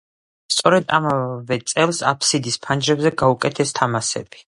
სწორედ ამავე წელს აფსიდის ფანჯრებზე გაუკეთეს თამასები.